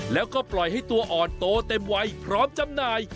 แล้วก็ปล่อยให้ตัวอ่อนโตเต็มวัยพร้อมจำหน่าย